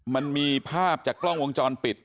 มันมีภาพจากกล้องวงจรปิด